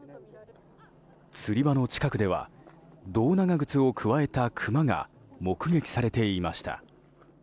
釣り場の近くでは胴長靴をくわえたクマが目撃されていました。